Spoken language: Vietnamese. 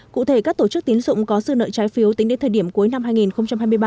cụ thể các tổ chức tiến dụng có dư nợ trái phiếu tính đến thời điểm cuối năm hai nghìn hai mươi ba